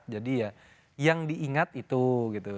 jadi ya yang diingat itu gitu